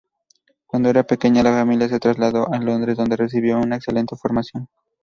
Cuando era pequeña, la familia se trasladó a Londres, donde recibió una excelente formación.